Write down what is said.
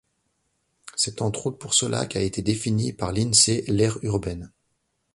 C'est entre autres pour cela qu'a été définie par l'Insee l'aire urbaine.